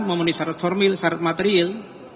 memenuhi syarat formil syarat material